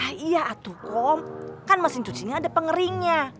iya atuh kum kan mesin cuci ini ada pengeringnya